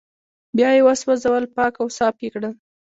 بيا يې وسوځول پاک او صاف يې کړل